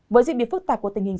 với diễn biệt phức tạp của tình hình